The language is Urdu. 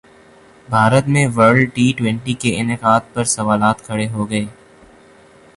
بھارت میں ورلڈ ٹی ٹوئنٹی کے انعقاد پر سوالات کھڑے ہوگئے